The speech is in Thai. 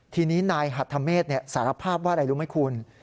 ทีนี้นายหัทธเมษสารภาพว่าอะไรรู้ไหมคุณ